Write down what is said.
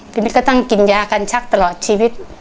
ทีนี้ก็ต้องกินยากันชักตลอดชีวิต